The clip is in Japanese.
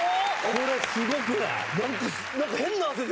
これすごくない？